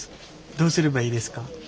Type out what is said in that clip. どうすればいいですか？